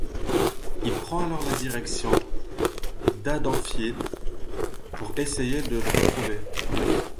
Il prend alors la direction d’Haddonfield pour essayer de le retrouver.